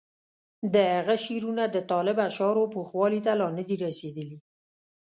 د هغه شعرونه د طالب اشعارو پوخوالي ته لا نه دي رسېدلي.